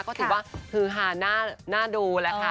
ก็ถือว่าคือหน้าดูแล้วค่ะ